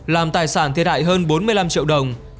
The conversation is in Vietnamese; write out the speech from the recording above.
làm tài sản thiệt hại hơn bốn mươi năm triệu đồng